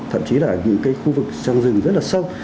thậm chí là những cái khu vực trong rừng rất là sâu